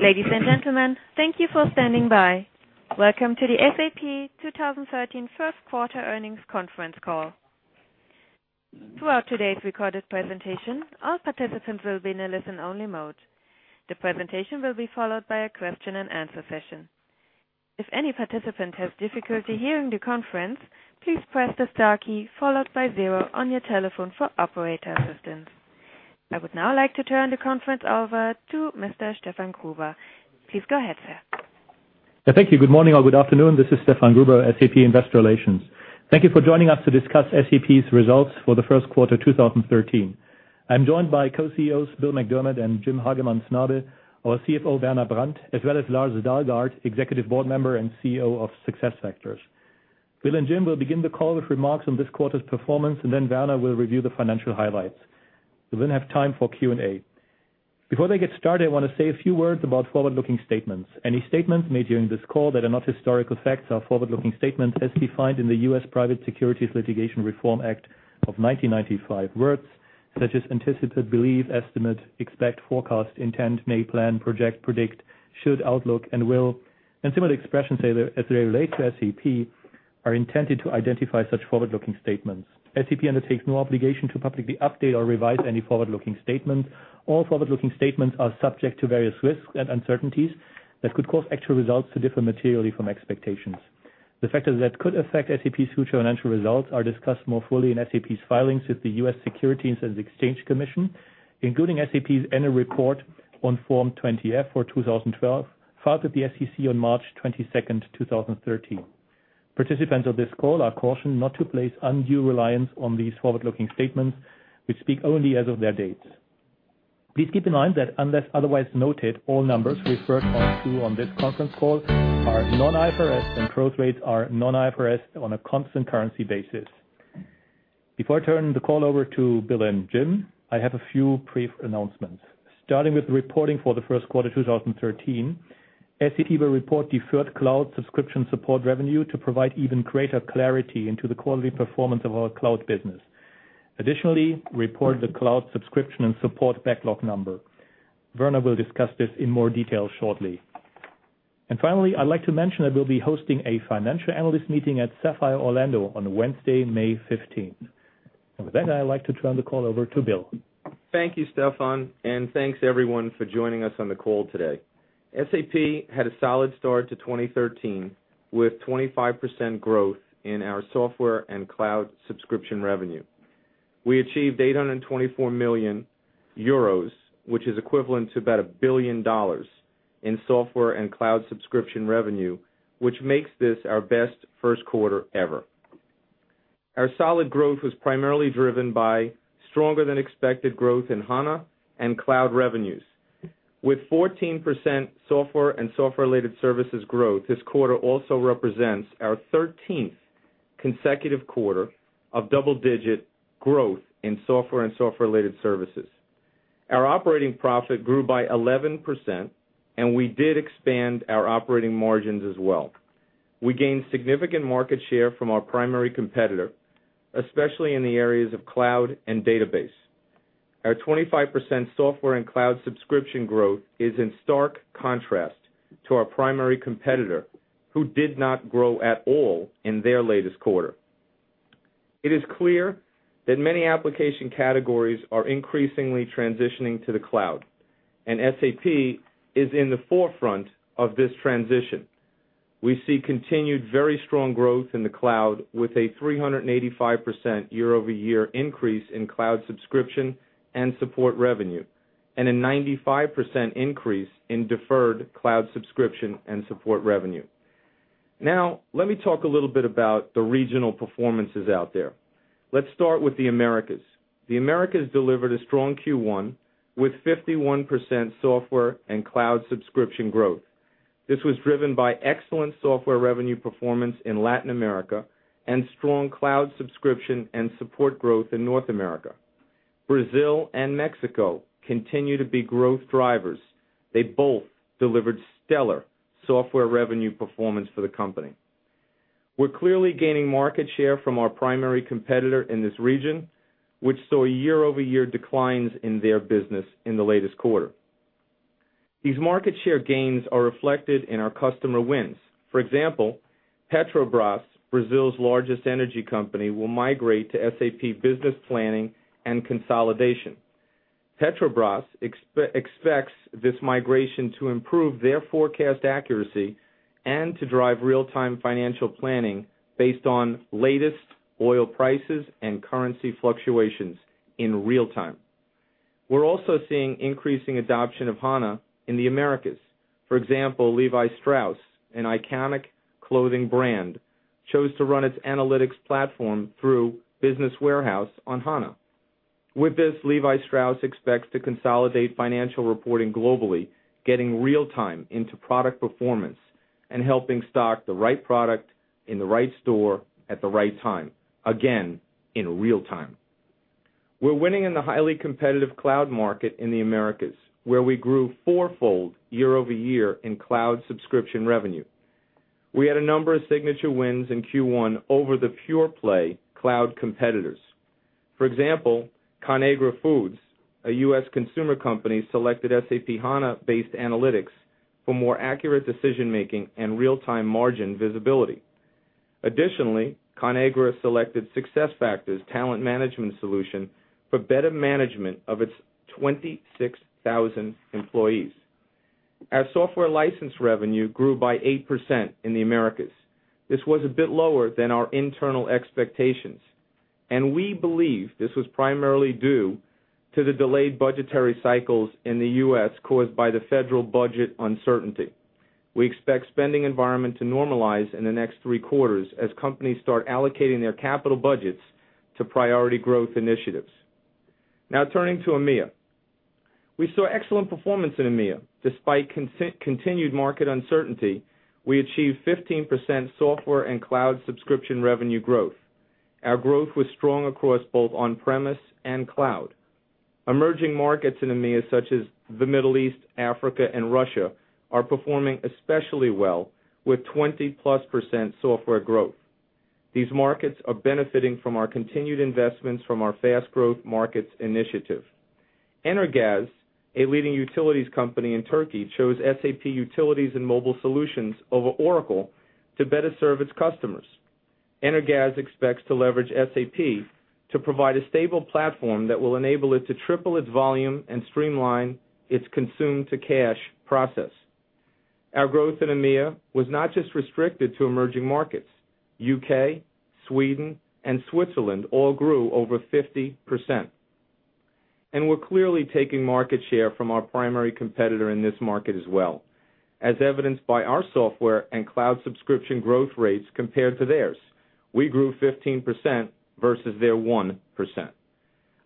Ladies and gentlemen, thank you for standing by. Welcome to the SAP 2013 first quarter earnings conference call. Throughout today's recorded presentation, all participants will be in a listen-only mode. The presentation will be followed by a question and answer session. If any participant has difficulty hearing the conference, please press the star key, followed by zero on your telephone for operator assistance. I would now like to turn the conference over to Mr. Stefan Gruber. Please go ahead, sir. Thank you. Good morning or good afternoon. This is Stefan Gruber, SAP Investor Relations. Thank you for joining us to discuss SAP's results for the first quarter 2013. I am joined by Co-CEOs Bill McDermott and Jim Hagemann Snabe, our CFO, Werner Brandt, as well as Lars Dalgaard, Executive Board Member and CEO of SuccessFactors. Bill and Jim will begin the call with remarks on this quarter's performance. Werner will review the financial highlights. We will then have time for Q&A. Before they get started, I want to say a few words about forward-looking statements. Any statements made during this call that are not historical facts are forward-looking statements as defined in the U.S. Private Securities Litigation Reform Act of 1995. Words such as anticipated, believe, estimate, expect, forecast, intend, may, plan, project, predict, should, outlook, will, and similar expressions as they relate to SAP, are intended to identify such forward-looking statements. SAP undertakes no obligation to publicly update or revise any forward-looking statements. All forward-looking statements are subject to various risks and uncertainties that could cause actual results to differ materially from expectations. The factors that could affect SAP's future financial results are discussed more fully in SAP's filings with the U.S. Securities and Exchange Commission, including SAP's annual report on Form 20-F for 2012, filed with the SEC on March 22nd, 2013. Participants of this call are cautioned not to place undue reliance on these forward-looking statements, which speak only as of their dates. Please keep in mind that unless otherwise noted, all numbers referred to on this conference call are non-IFRS, and growth rates are non-IFRS on a constant currency basis. Before I turn the call over to Bill and Jim, I have a few brief announcements. Starting with the reporting for the first quarter 2013, SAP will report deferred Cloud Subscription Support Revenue to provide even greater clarity into the quarterly performance of our cloud business. Additionally, report the Cloud Subscription and Support Backlog Number. Werner will discuss this in more detail shortly. Finally, I would like to mention that we will be hosting a financial analyst meeting at Sapphire Orlando on Wednesday, May 15th. With that, I would like to turn the call over to Bill. Thank you, Stefan, and thanks everyone for joining us on the call today. SAP had a solid start to 2013, with 25% growth in our software and cloud subscription revenue. We achieved €824 million, which is equivalent to about $1 billion in software and cloud subscription revenue, which makes this our best first quarter ever. Our solid growth was primarily driven by stronger than expected growth in HANA and cloud revenues. With 14% software and software-related services growth this quarter also represents our 13th consecutive quarter of double-digit growth in software and software-related services. Our operating profit grew by 11%, and we did expand our operating margins as well. We gained significant market share from our primary competitor, especially in the areas of cloud and database. Our 25% software and cloud subscription growth is in stark contrast to our primary competitor, who did not grow at all in their latest quarter. It is clear that many application categories are increasingly transitioning to the cloud, and SAP is in the forefront of this transition. We see continued very strong growth in the cloud with a 385% year-over-year increase in cloud subscription and support revenue, and a 95% increase in deferred cloud subscription and support revenue. Let me talk a little bit about the regional performances out there. Let's start with the Americas. The Americas delivered a strong Q1 with 51% software and cloud subscription growth. This was driven by excellent software revenue performance in Latin America and strong cloud subscription and support growth in North America. Brazil and Mexico continue to be growth drivers. They both delivered stellar software revenue performance for the company. We're clearly gaining market share from our primary competitor in this region, which saw year-over-year declines in their business in the latest quarter. These market share gains are reflected in our customer wins. For example, Petrobras, Brazil's largest energy company, will migrate to SAP Business Planning and Consolidation. Petrobras expects this migration to improve their forecast accuracy and to drive real-time financial planning based on latest oil prices and currency fluctuations in real-time. We're also seeing increasing adoption of HANA in the Americas. For example, Levi Strauss, an iconic clothing brand, chose to run its analytics platform through Business Warehouse on HANA. With this, Levi Strauss expects to consolidate financial reporting globally, getting real-time into product performance and helping stock the right product in the right store at the right time, again, in real-time. We're winning in the highly competitive cloud market in the Americas, where we grew fourfold year-over-year in cloud subscription revenue. We had a number of signature wins in Q1 over the pure play cloud competitors. For example, Conagra, a U.S. consumer company, selected SAP HANA-based analytics for more accurate decision-making and real-time margin visibility. Additionally, Conagra selected SuccessFactors Talent Management solution for better management of its 26,000 employees. Our software license revenue grew by 8% in the Americas. This was a bit lower than our internal expectations, and we believe this was primarily due to the delayed budgetary cycles in the U.S. caused by the federal budget uncertainty. We expect spending environment to normalize in the next three quarters as companies start allocating their capital budgets to priority growth initiatives. Turning to EMEA. We saw excellent performance in EMEA. Despite continued market uncertainty, we achieved 15% software and cloud subscription revenue growth. Our growth was strong across both on-premise and cloud. Emerging markets in EMEA, such as the Middle East, Africa, and Russia, are performing especially well with 20-plus % software growth. These markets are benefiting from our continued investments from our fast growth markets initiative. Enerjisa Enerji, a leading utilities company in Turkey, chose SAP Utilities and Mobile Solutions over Oracle to better serve its customers. Enerjisa Enerji expects to leverage SAP to provide a stable platform that will enable it to triple its volume and streamline its consume-to-cash process. Our growth in EMEA was not just restricted to emerging markets. U.K., Sweden, and Switzerland all grew over 50%. We're clearly taking market share from our primary competitor in this market as well, as evidenced by our software and cloud subscription growth rates compared to theirs. We grew 15% versus their 1%.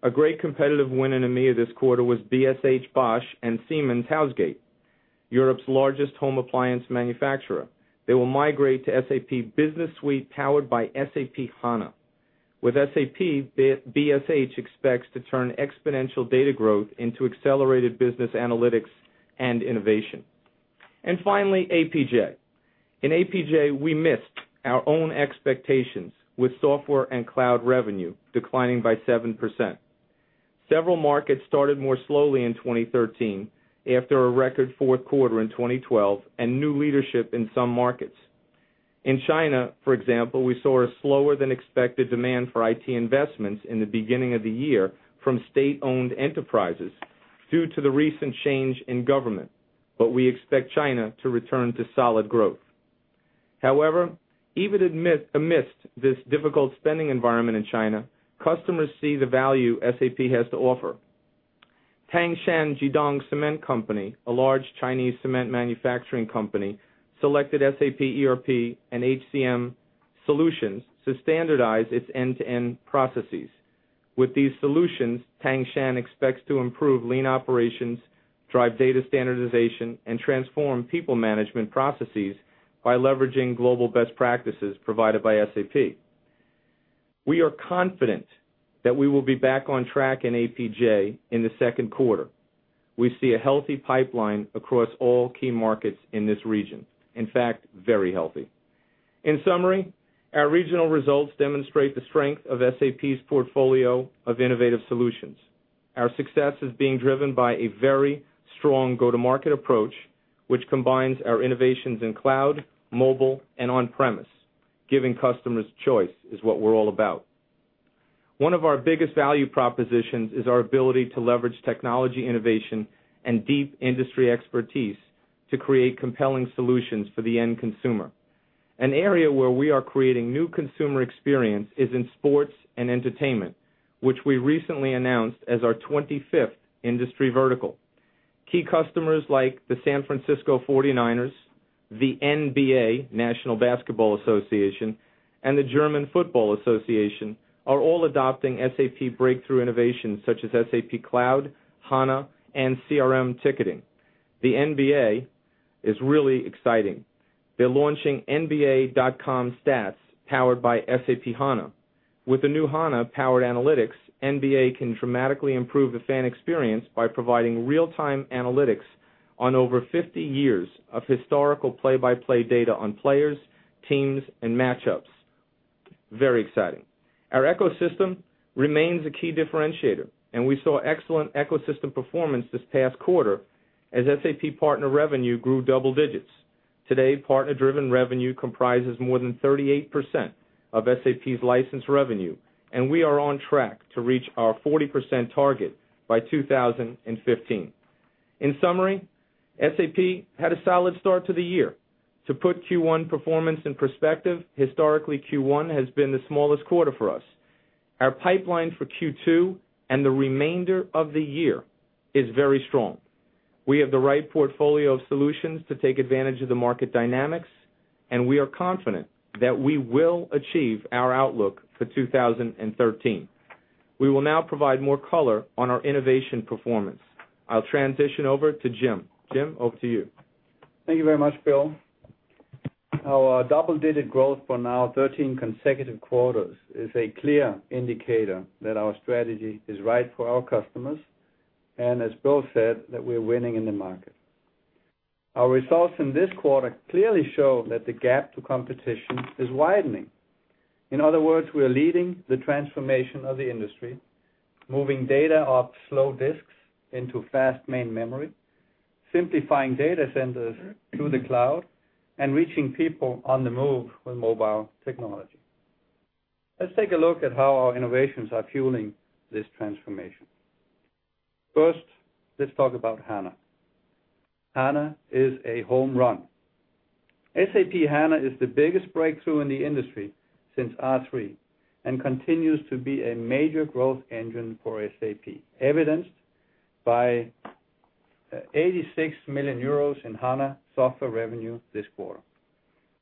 A great competitive win in EMEA this quarter was BSH Bosch und Siemens Hausgeräte, Europe's largest home appliance manufacturer. They will migrate to SAP Business Suite powered by SAP HANA. With SAP, BSH expects to turn exponential data growth into accelerated business analytics and innovation. Finally, APJ. In APJ, we missed our own expectations with software and cloud revenue declining by 7%. Several markets started more slowly in 2013 after a record fourth quarter in 2012 and new leadership in some markets. In China, for example, we saw a slower than expected demand for IT investments in the beginning of the year from state-owned enterprises due to the recent change in government. We expect China to return to solid growth. However, even amidst this difficult spending environment in China, customers see the value SAP has to offer. Tangshan Jidong Cement Company, a large Chinese cement manufacturing company, selected SAP ERP and HCM Solutions to standardize its end-to-end processes. With these solutions, Tangshan expects to improve lean operations, drive data standardization, and transform people management processes by leveraging global best practices provided by SAP. We are confident that we will be back on track in APJ in the second quarter. We see a healthy pipeline across all key markets in this region. In fact, very healthy. In summary, our regional results demonstrate the strength of SAP's portfolio of innovative solutions. Our success is being driven by a very strong go-to-market approach, which combines our innovations in cloud, mobile, and on-premise. Giving customers choice is what we're all about. One of our biggest value propositions is our ability to leverage technology innovation and deep industry expertise to create compelling solutions for the end consumer. An area where we are creating new consumer experience is in sports and entertainment, which we recently announced as our 25th industry vertical. Key customers like the San Francisco 49ers, the NBA, National Basketball Association, and the German Football Association, are all adopting SAP breakthrough innovations such as SAP Cloud, HANA, and CRM ticketing. The NBA is really exciting. They're launching nba.com/Stats powered by SAP HANA. With the new HANA-powered analytics, NBA can dramatically improve the fan experience by providing real-time analytics on over 50 years of historical play-by-play data on players, teams, and match-ups. Very exciting. Our ecosystem remains a key differentiator, and we saw excellent ecosystem performance this past quarter as SAP partner revenue grew double digits. Today, partner-driven revenue comprises more than 38% of SAP's license revenue, and we are on track to reach our 40% target by 2015. In summary, SAP had a solid start to the year. To put Q1 performance in perspective, historically, Q1 has been the smallest quarter for us. Our pipeline for Q2 and the remainder of the year is very strong. We have the right portfolio of solutions to take advantage of the market dynamics, and we are confident that we will achieve our outlook for 2013. We will now provide more color on our innovation performance. I'll transition over to Jim. Jim, over to you. Thank you very much, Bill. Our double-digit growth for now 13 consecutive quarters is a clear indicator that our strategy is right for our customers. As Bill said, that we're winning in the market. Our results in this quarter clearly show that the gap to competition is widening. In other words, we are leading the transformation of the industry, moving data off slow disks into fast main memory, simplifying data centers to the cloud, and reaching people on the move with mobile technology. Let's take a look at how our innovations are fueling this transformation. First, let's talk about HANA. HANA is a home run. SAP HANA is the biggest breakthrough in the industry since R/3 and continues to be a major growth engine for SAP, evidenced by 86 million euros in HANA software revenue this quarter.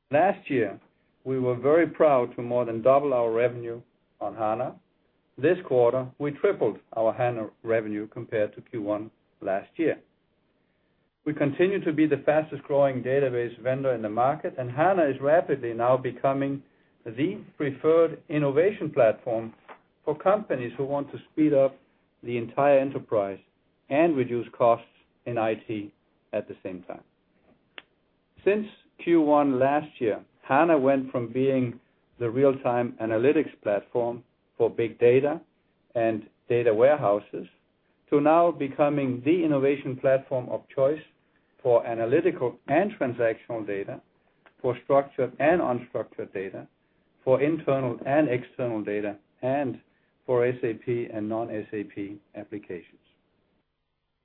Last year, we were very proud to more than double our revenue on HANA. This quarter, we tripled our HANA revenue compared to Q1 last year. We continue to be the fastest-growing database vendor in the market, and HANA is rapidly now becoming the preferred innovation platform for companies who want to speed up the entire enterprise and reduce costs in IT at the same time. Since Q1 last year, HANA went from being the real-time analytics platform for big data and data warehouses to now becoming the innovation platform of choice for analytical and transactional data, for structured and unstructured data, for internal and external data, and for SAP and non-SAP applications.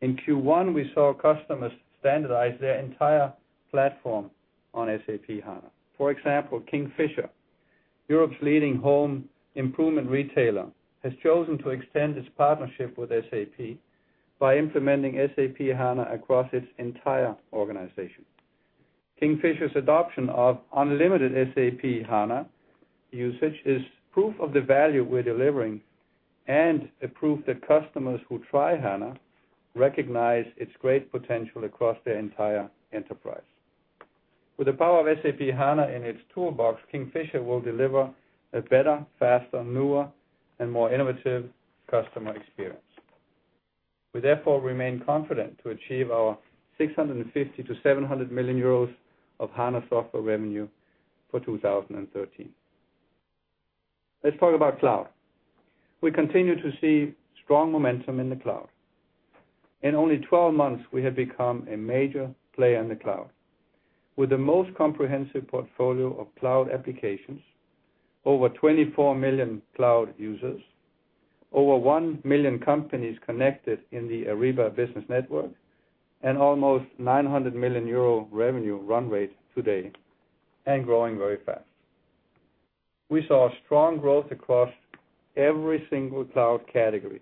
In Q1, we saw customers standardize their entire platform on SAP HANA. For example, Kingfisher, Europe's leading home improvement retailer, has chosen to extend its partnership with SAP by implementing SAP HANA across its entire organization. Kingfisher's adoption of unlimited SAP HANA usage is proof of the value we're delivering and a proof that customers who try HANA recognize its great potential across their entire enterprise. With the power of SAP HANA in its toolbox, Kingfisher will deliver a better, faster, newer, and more innovative customer experience. We therefore remain confident to achieve our 650 million-700 million euros of HANA software revenue for 2013. Let's talk about cloud. We continue to see strong momentum in the cloud. In only 12 months, we have become a major player in the cloud. With the most comprehensive portfolio of cloud applications, over 24 million cloud users, over 1 million companies connected in the Ariba Business Network, and almost 900 million euro revenue run rate today, and growing very fast. We saw strong growth across every single cloud category,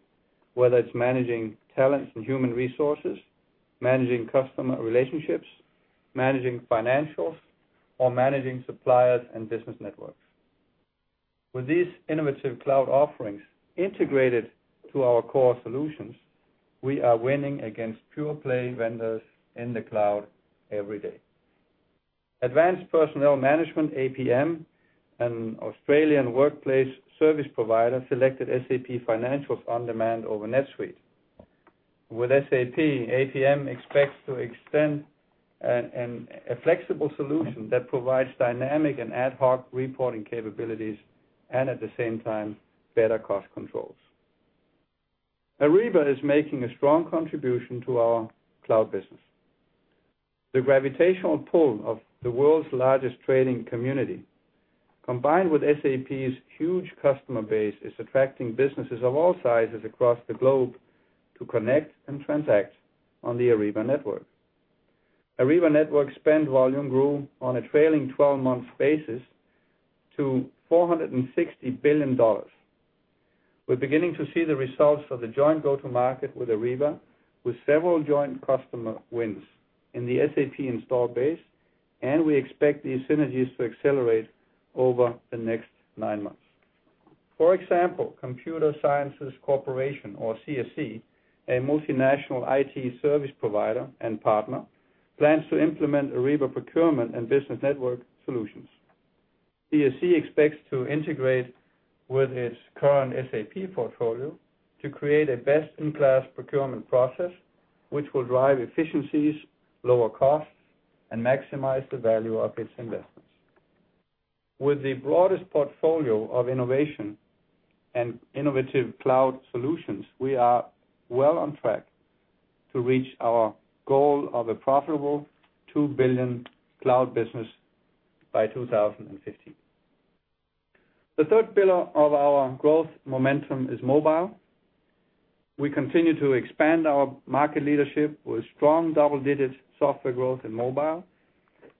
whether it is managing talents and human resources, managing customer relationships, managing financials, or managing suppliers and business networks. With these innovative cloud offerings integrated to our core solutions, we are winning against pure-play vendors in the cloud every day. Advanced Personnel Management, APM, an Australian workplace service provider, selected SAP Financials OnDemand over NetSuite. With SAP, APM expects to extend a flexible solution that provides dynamic and ad hoc reporting capabilities, and at the same time, better cost controls. Ariba is making a strong contribution to our cloud business. The gravitational pull of the world's largest trading community, combined with SAP's huge customer base, is attracting businesses of all sizes across the globe to connect and transact on the Ariba Network. Ariba Network spend volume grew on a trailing 12-month basis to EUR 460 billion. We are beginning to see the results of the joint go-to-market with Ariba, with several joint customer wins in the SAP install base, and we expect these synergies to accelerate over the next nine months. For example, Computer Sciences Corporation, or CSC, a multinational IT service provider and partner, plans to implement Ariba Procurement and business network solutions. CSC expects to integrate with its current SAP portfolio to create a best-in-class procurement process, which will drive efficiencies, lower costs, and maximize the value of its investments. With the broadest portfolio of innovation and innovative cloud solutions, we are well on track to reach our goal of a profitable 2 billion cloud business by 2015. The third pillar of our growth momentum is mobile. We continue to expand our market leadership with strong double-digit software growth in mobile.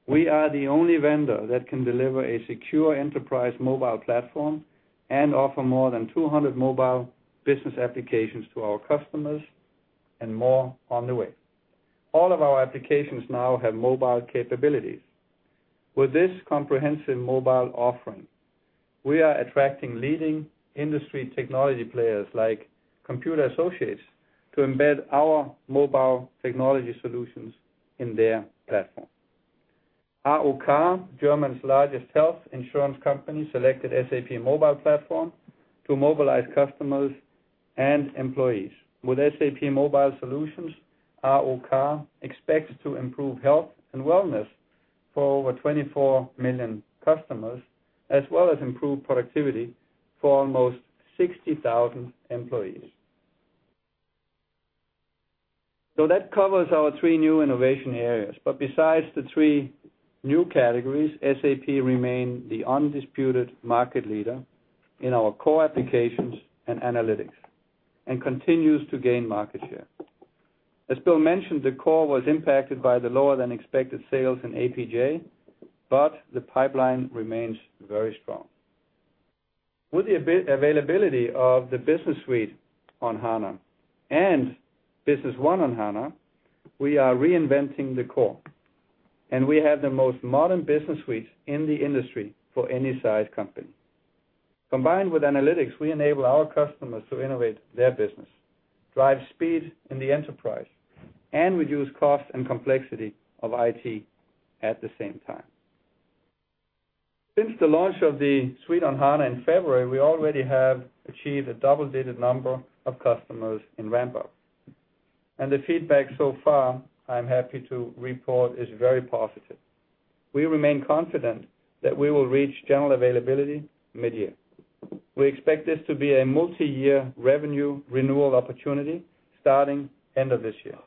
We are the only vendor that can deliver a secure enterprise mobile platform and offer more than 200 mobile business applications to our customers, and more on the way. All of our applications now have mobile capabilities. With this comprehensive mobile offering, we are attracting leading industry technology players like CA Technologies to embed our mobile technology solutions in their platform. AOK, Germany's largest health insurance company, selected SAP Mobile Platform to mobilize customers and employees. With SAP Mobile Solutions, AOK expects to improve health and wellness for over 24 million customers, as well as improve productivity for almost 60,000 employees. That covers our three new innovation areas, but besides the three new categories, SAP remain the undisputed market leader in our core applications and analytics, and continues to gain market share. As Bill mentioned, the core was impacted by the lower than expected sales in APJ, but the pipeline remains very strong. With the availability of the Business Suite on HANA and Business One on HANA, we are reinventing the core, and we have the most modern business suites in the industry for any size company. Combined with analytics, we enable our customers to innovate their business, drive speed in the enterprise, and reduce cost and complexity of IT at the same time. Since the launch of the Suite on HANA in February, we already have achieved a double-digit number of customers in ramp-up. The feedback so far, I'm happy to report, is very positive. We remain confident that we will reach general availability mid-year. We expect this to be a multi-year revenue renewal opportunity starting end of this year.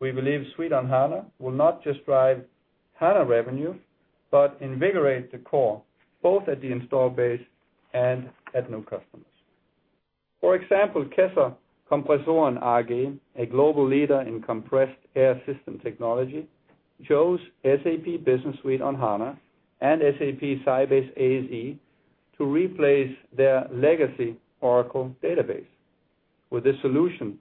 We believe Suite on HANA will not just drive HANA revenue, but invigorate the core, both at the install base and at new customers. For example, Kaeser Kompressoren SE, a global leader in compressed air system technology, chose SAP Business Suite on HANA and SAP Sybase ASE to replace their legacy Oracle database. With this solution,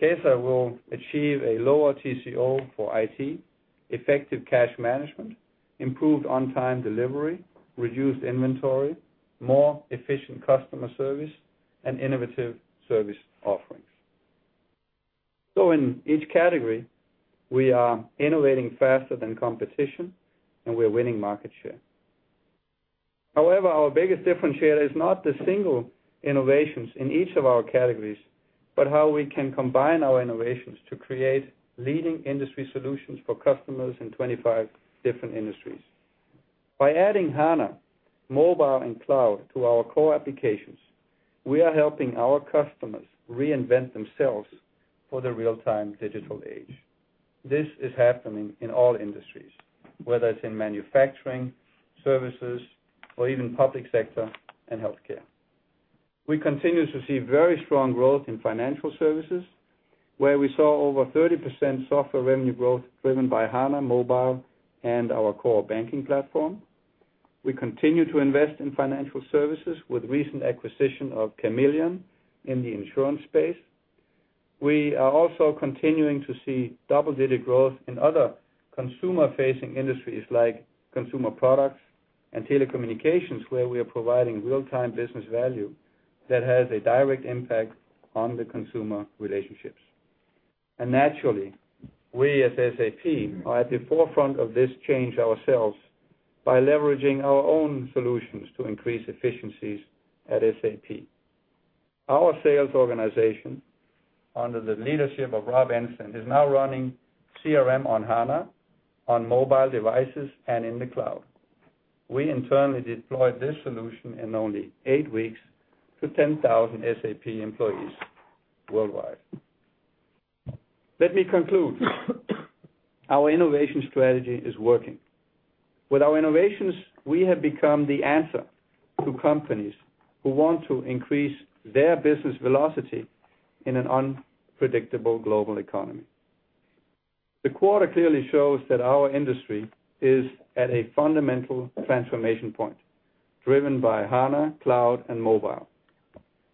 Kaeser will achieve a lower TCO for IT, effective cash management, improved on-time delivery, reduced inventory, more efficient customer service, and innovative service offerings. In each category, we are innovating faster than competition, and we're winning market share. However, our biggest differentiator is not the single innovations in each of our categories, but how we can combine our innovations to create leading industry solutions for customers in 25 different industries. By adding HANA, mobile, and cloud to our core applications, we are helping our customers reinvent themselves for the real-time digital age. This is happening in all industries, whether it's in manufacturing, services, or even public sector and healthcare. We continue to see very strong growth in financial services, where we saw over 30% software revenue growth driven by HANA, mobile, and our core banking platform. We continue to invest in financial services with recent acquisition of Camilion in the insurance space. We are also continuing to see double-digit growth in other consumer-facing industries like consumer products and telecommunications, where we are providing real-time business value that has a direct impact on the consumer relationships. Naturally, we at SAP are at the forefront of this change ourselves by leveraging our own solutions to increase efficiencies at SAP. Our sales organization, under the leadership of Rob Enslin, is now running CRM on HANA on mobile devices and in the cloud. We internally deployed this solution in only eight weeks to 10,000 SAP employees worldwide. Let me conclude. Our innovation strategy is working. With our innovations, we have become the answer to companies who want to increase their business velocity in an unpredictable global economy. The quarter clearly shows that our industry is at a fundamental transformation point, driven by HANA, cloud, and mobile.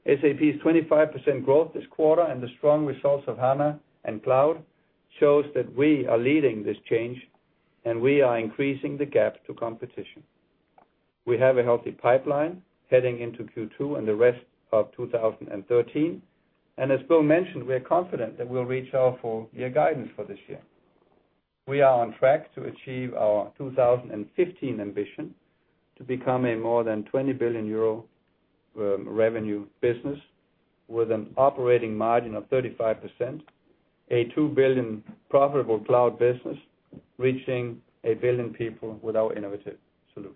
SAP's 25% growth this quarter and the strong results of HANA and cloud shows that we are leading this change, and we are increasing the gap to competition. We have a healthy pipeline heading into Q2 and the rest of 2013, and as Bill mentioned, we are confident that we'll reach our full year guidance for this year. We are on track to achieve our 2015 ambition to become a more than 20 billion euro revenue business with an operating margin of 35%, a 2 billion profitable cloud business, reaching 1 billion people with our innovative solutions.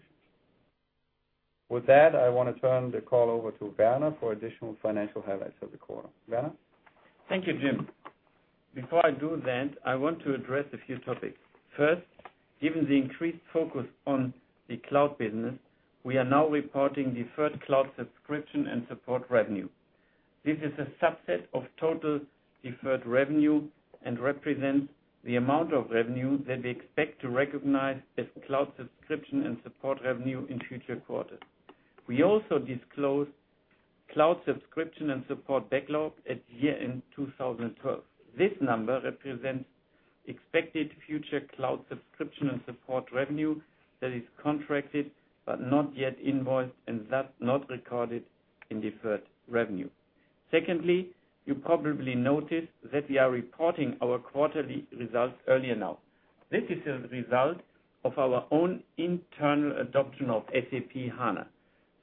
With that, I want to turn the call over to Werner for additional financial highlights of the quarter. Werner? Thank you, Jim. Before I do that, I want to address a few topics. First, given the increased focus on the cloud business, we are now reporting deferred cloud subscription and support revenue. This is a subset of total deferred revenue and represents the amount of revenue that we expect to recognize as cloud subscription and support revenue in future quarters. We also disclosed cloud subscription and support backlog at year-end 2012. This number represents expected future cloud subscription and support revenue that is contracted but not yet invoiced, and thus not recorded in deferred revenue. Secondly, you probably noticed that we are reporting our quarterly results earlier now. This is a result of our own internal adoption of SAP HANA.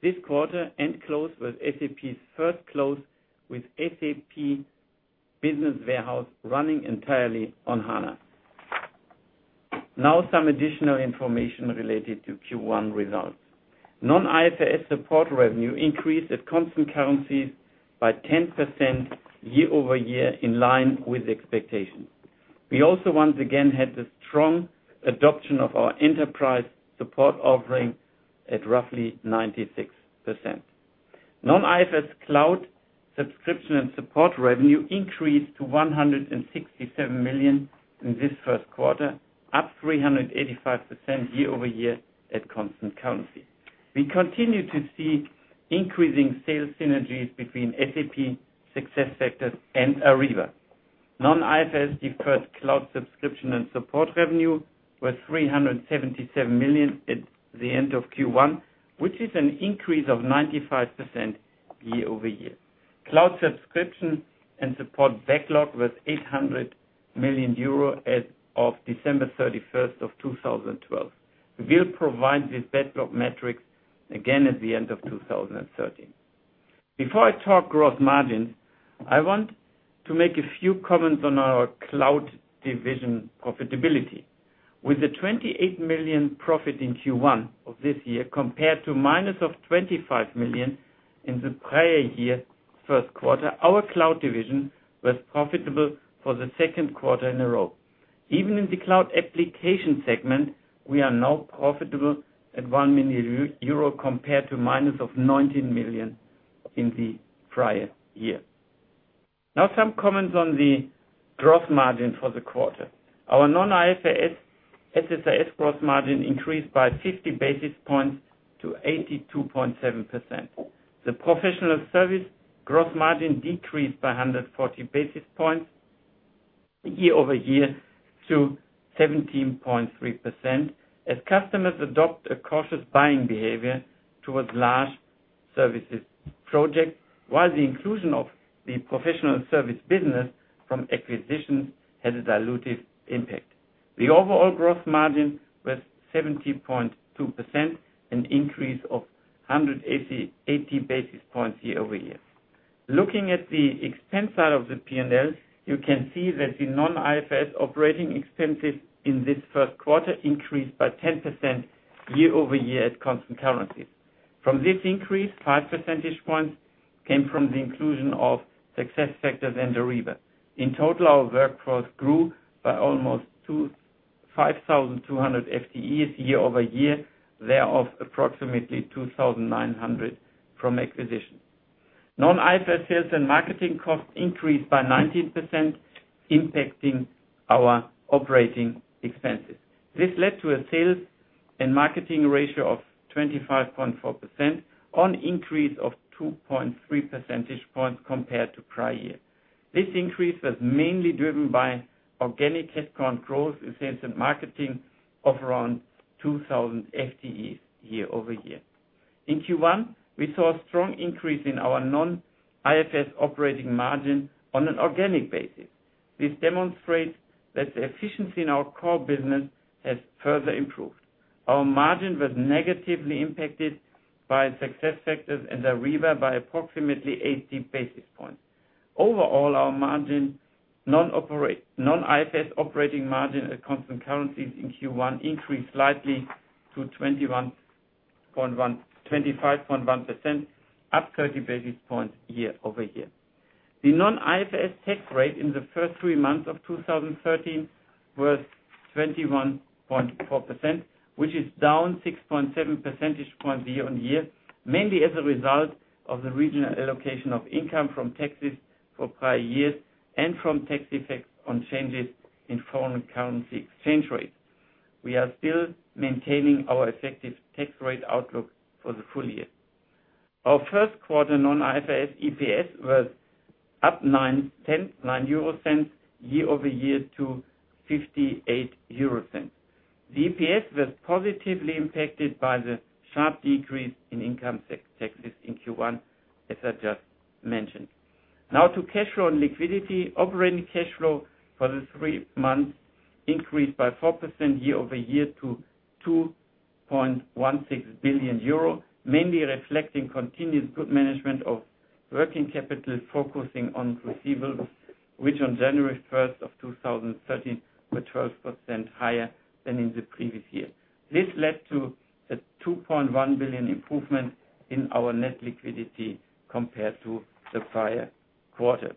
This quarter-end close was SAP's first close with SAP Business Warehouse running entirely on HANA. Some additional information related to Q1 results. Non-IFRS support revenue increased at constant currencies by 10% year-over-year in line with expectations. We also, once again, had the strong adoption of our enterprise support offering at roughly 96%. Non-IFRS cloud subscription and support revenue increased to 167 million in this first quarter, up 385% year-over-year at constant currency. We continue to see increasing sales synergies between SuccessFactors and Ariba. Non-IFRS deferred cloud subscription and support revenue was 377 million at the end of Q1, which is an increase of 95% year-over-year. Cloud subscription and support backlog was 800 million euro as of December 31st of 2012. We'll provide this backlog metrics again at the end of 2013. Before I talk gross margin, I want to make a few comments on our cloud division profitability. With the 28 million profit in Q1 of this year compared to minus of 25 million in the prior year first quarter, our cloud division was profitable for the second quarter in a row. Even in the cloud application segment, we are now profitable at 1 million euro compared to minus of 19 million in the prior year. Some comments on the gross margin for the quarter. Our non-IFRS SSRS gross margin increased by 50 basis points to 82.7%. The professional service gross margin decreased by 140 basis points year-over-year to 17.3%, as customers adopt a cautious buying behavior towards large services projects, while the inclusion of the professional service business from acquisitions had a dilutive impact. The overall gross margin was 70.2%, an increase of 180 basis points year-over-year. Looking at the expense side of the P&L, you can see that the non-IFRS operating expenses in this first quarter increased by 10% year-over-year at constant currency. From this increase, five percentage points came from the inclusion of SuccessFactors and Ariba. In total, our workforce grew by almost 5,200 FTEs year-over-year, thereof approximately 2,900 from acquisitions. Non-IFRS sales and marketing costs increased by 19%, impacting our operating expenses. This led to a sales and marketing ratio of 25.4% on increase of 2.3 percentage points compared to prior-year. This increase was mainly driven by organic headcount growth in sales and marketing of around 2,000 FTEs year-over-year. In Q1, we saw a strong increase in our non-IFRS operating margin on an organic basis. This demonstrates that the efficiency in our core business has further improved. Our margin was negatively impacted by SuccessFactors and Ariba by approximately 80 basis points. Overall, our non-IFRS operating margin at constant currencies in Q1 increased slightly to 25.1%, up 30 basis points year-over-year. The non-IFRS tax rate in the first three months of 2013 was 21.4%, which is down 6.7 percentage points year-on-year, mainly as a result of the regional allocation of income from taxes for prior years and from tax effects on changes in foreign currency exchange rates. We are still maintaining our effective tax rate outlook for the full year. Our first quarter non-IFRS EPS was up 0.09 year-over-year to 0.58. The EPS was positively impacted by the sharp decrease in income taxes in Q1, as I just mentioned. Now to cash flow and liquidity. Operating cash flow for the three months increased by 4% year-over-year to 2.16 billion euro, mainly reflecting continuous good management of working capital focusing on receivables, which on January 1st, 2013 were 12% higher than in the previous year. This led to a 2.1 billion improvement in our net liquidity compared to the prior quarter.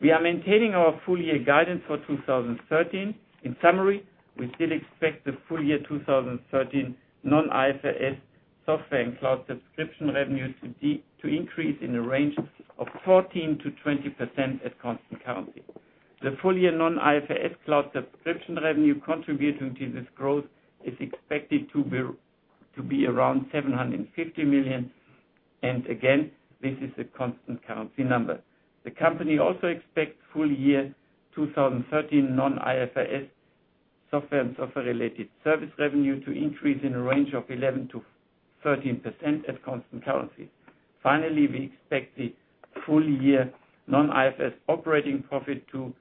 We are maintaining our full year guidance for 2013. In summary, we still expect the full year 2013 non-IFRS software and cloud subscription revenue to increase in the range of 14%-20% at constant currency. The full year non-IFRS cloud subscription revenue contributing to this growth is expected to be around 750 million, and again, this is a constant currency number. The company also expects full year 2013 non-IFRS Software and software-related service revenue to increase in a range of 11%-13% at constant currency. Finally, we expect the full year non-IFRS operating profit to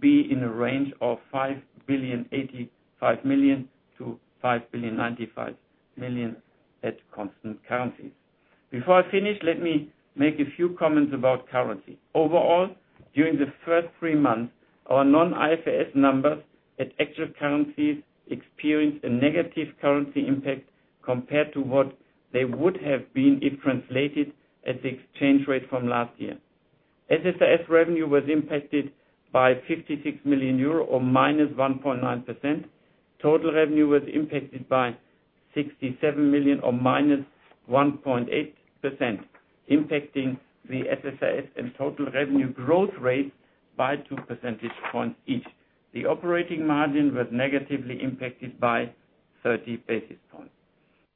be in a range of 5.085 billion-5.095 billion at constant currencies. Before I finish, let me make a few comments about currency. Overall, during the first three months, our non-IFRS numbers at actual currencies experienced a negative currency impact compared to what they would have been if translated at the exchange rate from last year. SSRS revenue was impacted by 56 million euro, or -1.9%. Total revenue was impacted by 67 million or -1.8%, impacting the SSRS and total revenue growth rate by two percentage points each. The operating margin was negatively impacted by 30 basis points.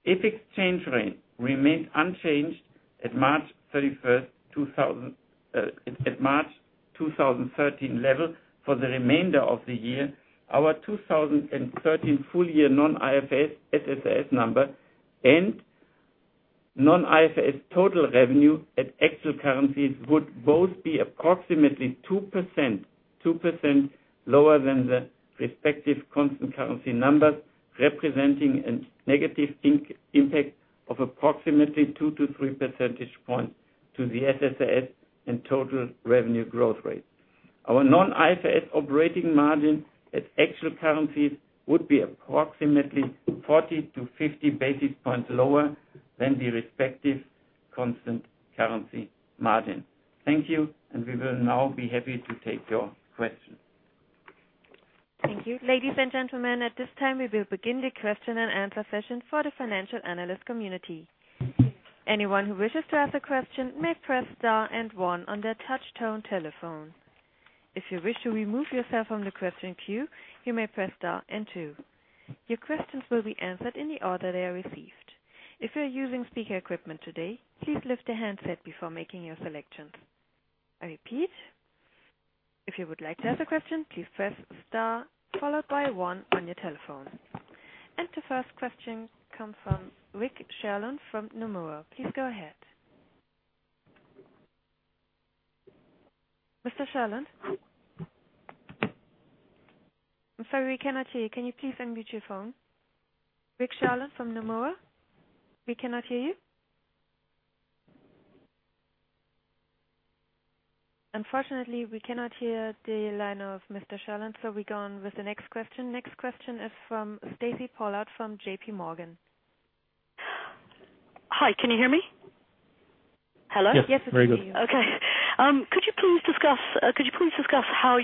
If exchange rate remains unchanged at March 2013 level for the remainder of the year, our 2013 full-year non-IFRS SSRS number and non-IFRS total revenue at actual currencies would both be approximately 2% lower than the respective constant currency numbers, representing a negative impact of approximately two-three percentage points to the SSRS and total revenue growth rate. Our non-IFRS operating margin at actual currencies would be approximately 40-50 basis points lower than the respective constant currency margin. Thank you, and we will now be happy to take your questions. Thank you. Ladies and gentlemen, at this time, we will begin the question and answer session for the financial analyst community. Anyone who wishes to ask a question may press star and one on their touch tone telephone. If you wish to remove yourself from the question queue, you may press star and two. Your questions will be answered in the order they are received. If you're using speaker equipment today, please lift the handset before making your selections. I repeat, if you would like to ask a question, please press star followed by one on your telephone. The first question comes from Rick Sherlund from Nomura. Please go ahead. Mr. Sherlund? I'm sorry, we cannot hear you. Can you please unmute your phone? Rick Sherlund from Nomura, we cannot hear you. Unfortunately, we cannot hear the line of Mr. Sherlund, so we go on with the next question. Next question is from Stacy Pollard from J.P. Morgan. Hi, can you hear me? Hello? Yes. Very good. Yes, we can hear you. Okay. Could you please discuss how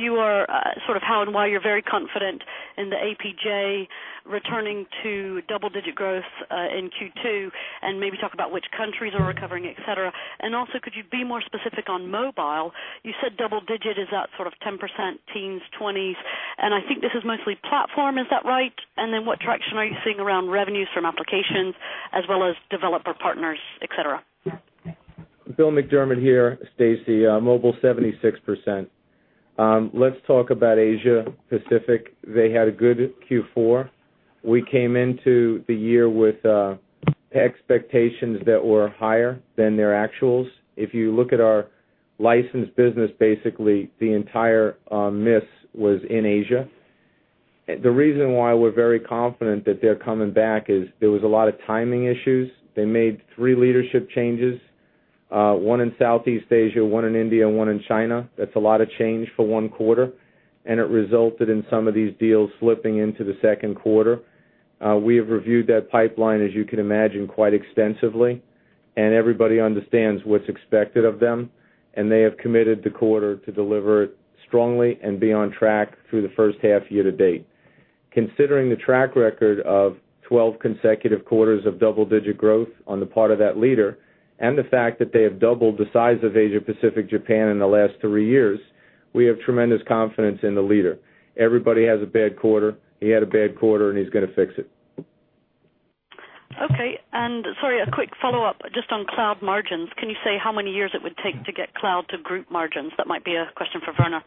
and why you're very confident in the APJ returning to double-digit growth, in Q2, maybe talk about which countries are recovering, et cetera. Could you be more specific on mobile? You said double-digit, is that sort of 10%, teens, twenties, I think this is mostly platform, is that right? What traction are you seeing around revenues from applications as well as developer partners, et cetera? Bill McDermott here, Stacy. Mobile, 76%. Let's talk about Asia Pacific. They had a good Q4. We came into the year with expectations that were higher than their actuals. If you look at our license business, basically, the entire miss was in Asia. The reason why we're very confident that they're coming back is there was a lot of timing issues. They made three leadership changes, one in Southeast Asia, one in India, and one in China. That's a lot of change for one quarter, and it resulted in some of these deals slipping into the second quarter. We have reviewed that pipeline, as you can imagine, quite extensively. Everybody understands what's expected of them. They have committed the quarter to deliver it strongly and be on track through the first half year to date. Considering the track record of 12 consecutive quarters of double-digit growth on the part of that leader. The fact that they have doubled the size of Asia Pacific Japan in the last three years, we have tremendous confidence in the leader. Everybody has a bad quarter. He had a bad quarter, he's going to fix it. Okay. Sorry, a quick follow-up just on cloud margins. Can you say how many years it would take to get cloud to group margins? That might be a question for Werner.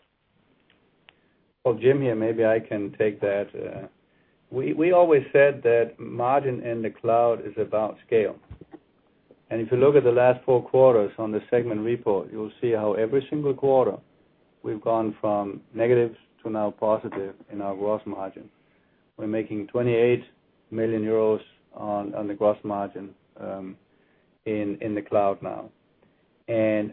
Well, Jim here, maybe I can take that. We always said that margin in the cloud is about scale. If you look at the last four quarters on the segment report, you'll see how every single quarter we've gone from negative to now positive in our gross margin. We're making 28 million euros on the gross margin in the cloud now.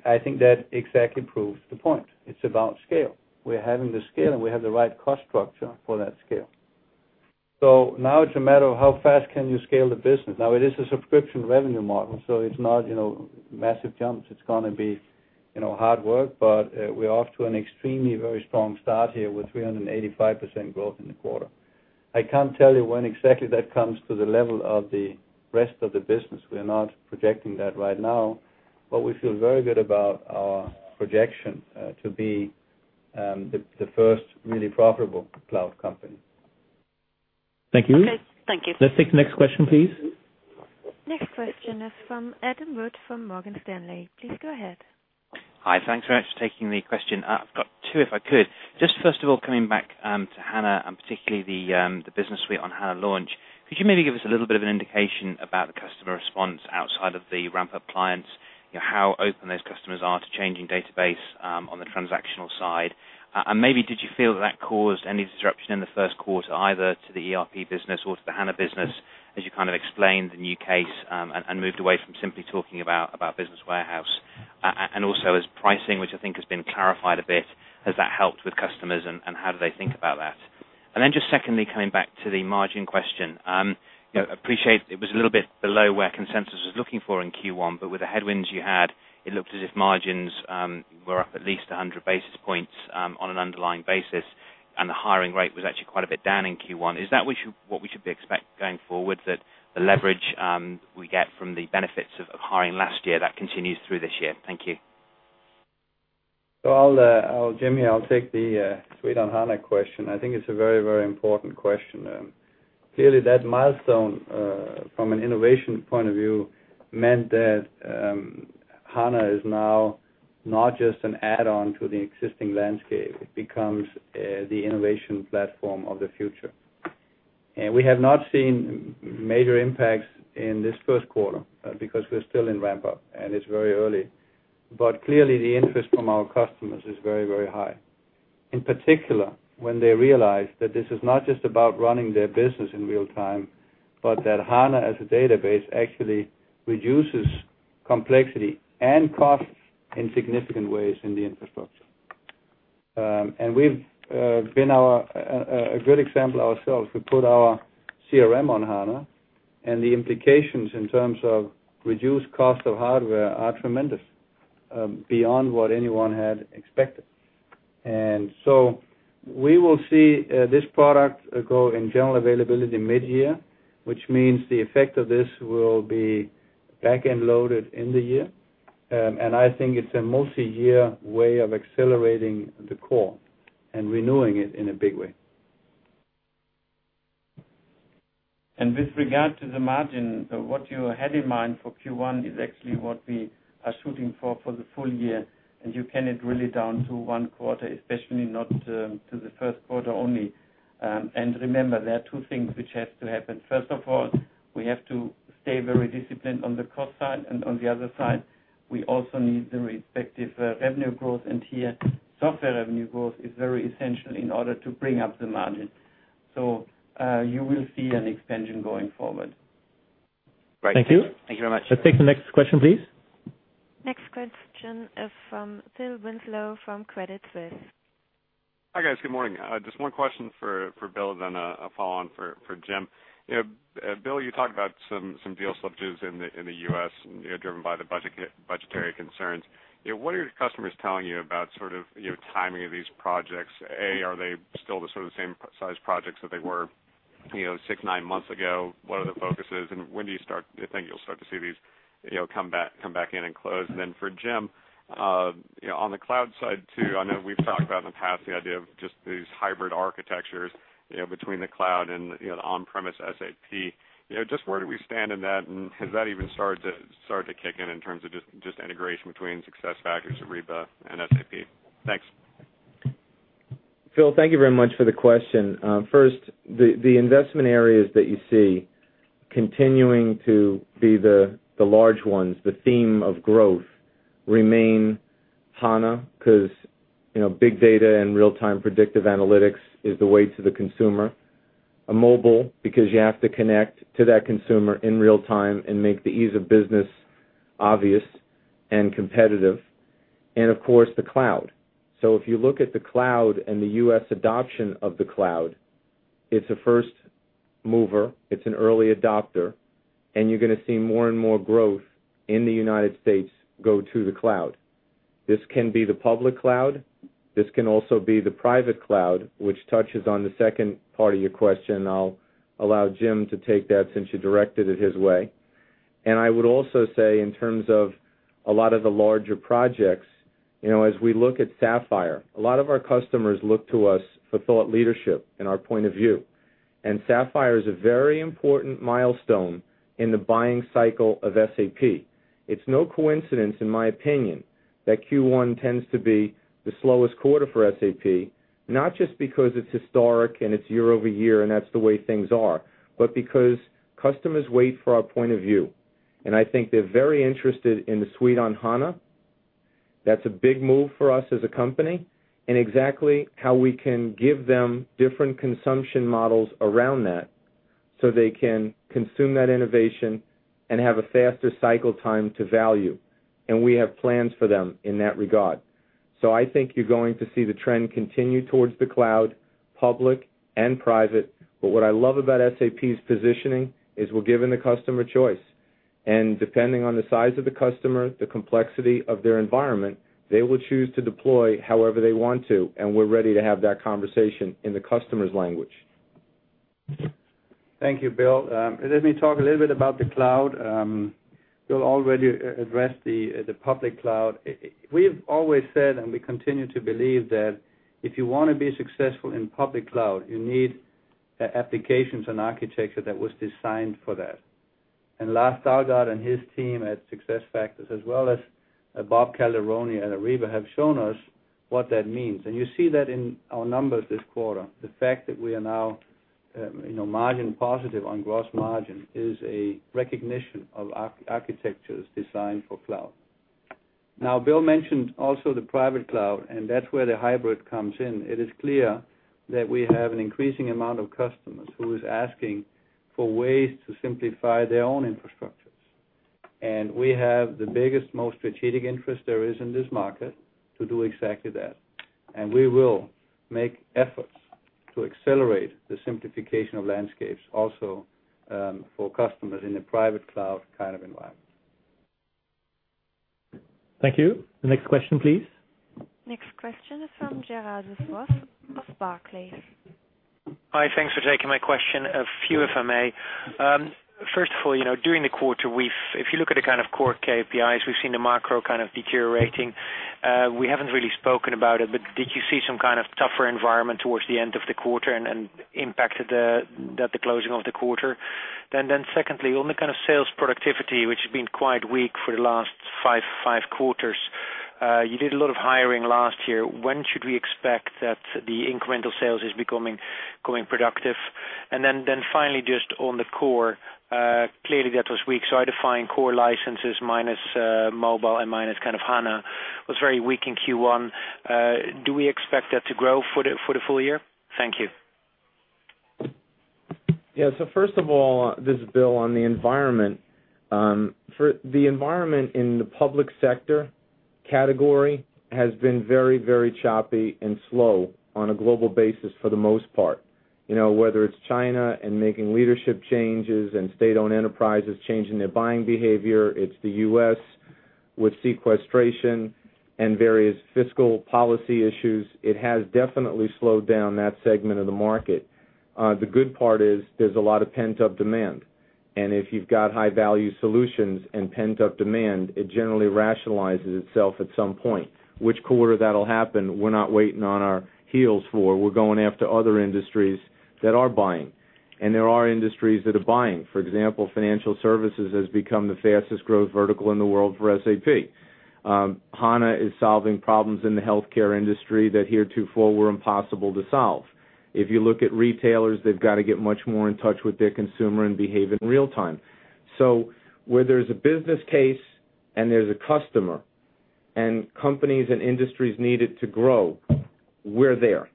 I think that exactly proves the point. It's about scale. We're having the scale, and we have the right cost structure for that scale. It's a matter of how fast can you scale the business. It is a subscription revenue model, so it's not massive jumps. It's going to be hard work. We're off to an extremely, very strong start here with 385% growth in the quarter. I can't tell you when exactly that comes to the level of the rest of the business. We're not projecting that right now, we feel very good about our projection to be the first really profitable cloud company. Thank you. Okay. Thank you. Let's take the next question, please. Next question is from Adam Wood from Morgan Stanley. Please go ahead. Hi. Thanks very much for taking the question. I've got two, if I could. Just first of all, coming back to HANA and particularly the business suite on HANA launch, could you maybe give us a little bit of an indication about the customer response outside of the ramp-up clients, how open those customers are to changing database on the transactional side? Maybe did you feel that that caused any disruption in the first quarter, either to the ERP business or to the HANA business, as you kind of explained the new case, and moved away from simply talking about business warehouse. Also as pricing, which I think has been clarified a bit, has that helped with customers and how do they think about that? Then just secondly, coming back to the margin question. Appreciate it was a little bit below where consensus was looking for in Q1, with the headwinds you had, it looked as if margins were up at least 100 basis points on an underlying basis, and the hiring rate was actually quite a bit down in Q1. Is that what we should be expect going forward, that the leverage we get from the benefits of hiring last year, that continues through this year? Thank you. I'll, Jim, I'll take the suite on HANA question. I think it's a very, very important question. Clearly that milestone, from an innovation point of view, meant that HANA is now not just an add-on to the existing landscape. It becomes the innovation platform of the future. We have not seen major impacts in this first quarter because we're still in ramp-up, and it's very early. Clearly the interest from our customers is very, very high. In particular, when they realize that this is not just about running their business in real time, but that HANA as a database actually reduces complexity and cost in significant ways in the infrastructure. We've been a good example ourselves. We put our CRM on HANA, and the implications in terms of reduced cost of hardware are tremendous, beyond what anyone had expected. We will see this product go in general availability mid-year, which means the effect of this will be back-end loaded in the year. I think it's a multi-year way of accelerating the core and renewing it in a big way. With regard to the margin, what you had in mind for Q1 is actually what we are shooting for the full year, and you cannot drill it down to one quarter, especially not to the first quarter only. Remember, there are two things which has to happen. First of all, we have to stay very disciplined on the cost side, and on the other side, we also need the respective revenue growth. Here, software revenue growth is very essential in order to bring up the margin. You will see an expansion going forward. Great. Thank you. Thank you very much. Let's take the next question, please. Next question is from Philip Winslow from Credit Suisse. Hi, guys. Good morning. Just one question for Bill, then a follow-on for Jim. Bill, you talked about some deal slippages in the U.S. driven by the budgetary concerns. What are your customers telling you about sort of timing of these projects? A, are they still the sort of same size projects that they were six, nine months ago? What are the focuses, when do you think you'll start to see these come back in and close? For Jim, on the cloud side too, I know we've talked about in the past the idea of just these hybrid architectures between the cloud and the on-premise SAP. Just where do we stand in that? Has that even started to kick in terms of just integration between SuccessFactors, Ariba, and SAP? Thanks. Phil, thank you very much for the question. First, the investment areas that you see continuing to be the large ones, the theme of growth remain HANA, because big data and real-time predictive analytics is the way to the consumer. Mobile, because you have to connect to that consumer in real time and make the ease of business obvious and competitive. Of course, the cloud. If you look at the cloud and the U.S. adoption of the cloud, it's a first mover, it's an early adopter, and you're going to see more and more growth in the United States go to the cloud. This can be the public cloud. This can also be the private cloud, which touches on the second part of your question. I'll allow Jim to take that since you directed it his way. I would also say in terms of a lot of the larger projects, as we look at Sapphire, a lot of our customers look to us for thought leadership and our point of view. Sapphire is a very important milestone in the buying cycle of SAP. It's no coincidence, in my opinion, that Q1 tends to be the slowest quarter for SAP, not just because it's historic and it's year-over-year and that's the way things are, but because customers wait for our point of view. I think they're very interested in the suite on HANA. That's a big move for us as a company, and exactly how we can give them different consumption models around that so they can consume that innovation and have a faster cycle time to value. We have plans for them in that regard. I think you're going to see the trend continue towards the cloud, public and private. What I love about SAP's positioning is we're giving the customer choice. Depending on the size of the customer, the complexity of their environment, they will choose to deploy however they want to, and we're ready to have that conversation in the customer's language. Thank you, Bill. Let me talk a little bit about the cloud. Bill already addressed the public cloud. We've always said, and we continue to believe that if you want to be successful in public cloud, you need applications and architecture that was designed for that. Lars Dalgaard and his team at SuccessFactors, as well as Bob Calderoni at Ariba, have shown us what that means. You see that in our numbers this quarter. The fact that we are now margin positive on gross margin is a recognition of architectures designed for cloud. Bill mentioned also the private cloud, and that's where the hybrid comes in. It is clear that we have an increasing amount of customers who is asking for ways to simplify their own infrastructures. We have the biggest, most strategic interest there is in this market to do exactly that. We will make efforts to accelerate the simplification of landscapes also for customers in a private cloud kind of environment. Thank you. The next question, please. Next question is from Gerard du Toit of Barclays. Hi. Thanks for taking my question. A few, if I may. First of all, during the quarter, if you look at the kind of core KPIs, we've seen the macro kind of deteriorating. We haven't really spoken about it, did you see some kind of tougher environment towards the end of the quarter and impacted at the closing of the quarter? Secondly, on the kind of sales productivity, which has been quite weak for the last five quarters. You did a lot of hiring last year. When should we expect that the incremental sales is becoming productive? Finally, just on the core, clearly that was weak. I define core licenses minus mobile and minus kind of SAP HANA, was very weak in Q1. Do we expect that to grow for the full year? Thank you. Yeah. First of all, this is Bill, on the environment. The environment in the public sector category has been very choppy and slow on a global basis for the most part. Whether it's China and making leadership changes and state-owned enterprises changing their buying behavior, it's the U.S. with sequestration and various fiscal policy issues. It has definitely slowed down that segment of the market. The good part is there's a lot of pent-up demand. If you've got high-value solutions and pent-up demand, it generally rationalizes itself at some point. Which quarter that'll happen, we're not waiting on our heels for. We're going after other industries that are buying, there are industries that are buying. For example, financial services has become the fastest growth vertical in the world for SAP. SAP HANA is solving problems in the healthcare industry that heretofore were impossible to solve. If you look at retailers, they've got to get much more in touch with their consumer and behave in real time. Where there's a business case and there's a customer, companies and industries need it to grow, we're there.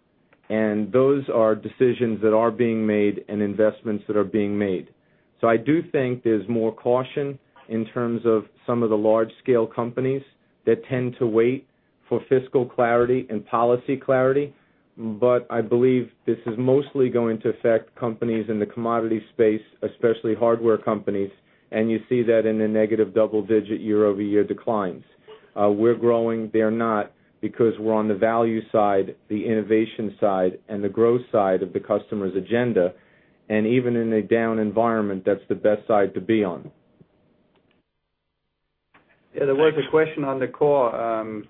Those are decisions that are being made and investments that are being made. I do think there's more caution in terms of some of the large-scale companies that tend to wait for fiscal clarity and policy clarity. I believe this is mostly going to affect companies in the commodity space, especially hardware companies, you see that in the negative double-digit year-over-year declines. We're growing, they're not, because we're on the value side, the innovation side, and the growth side of the customer's agenda. Even in a down environment, that's the best side to be on. Yeah, there was a question on the core.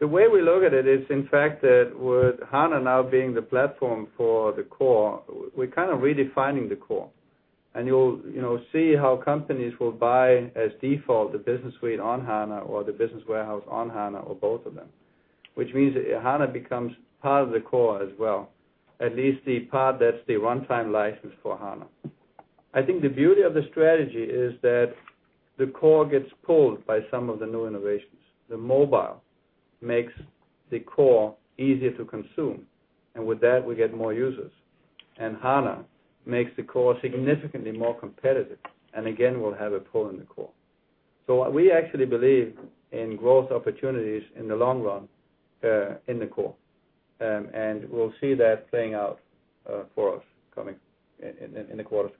The way we look at it is, in fact, that with SAP HANA now being the platform for the core, we're kind of redefining the core. You'll see how companies will buy as default the SAP Business Suite on HANA or the SAP Business Warehouse on HANA, or both of them. Which means that SAP HANA becomes part of the core as well, at least the part that's the one-time license for SAP HANA. I think the beauty of the strategy is that the core gets pulled by some of the new innovations. The mobile makes the core easier to consume, with that, we get more users. SAP HANA makes the core significantly more competitive, again, we'll have a pull in the core. We actually believe in growth opportunities in the long run in the core. We'll see that playing out for us in the quarters